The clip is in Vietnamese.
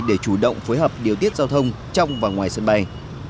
để chủ động phối hợp điều tiết giao thông trong và ngoài sân bay